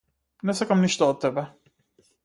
Не сакам ништо од тебе.